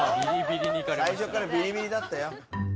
最初からビリビリだったよ。